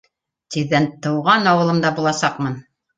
Тиҙҙән тыуған ауылымда буласаҡмын.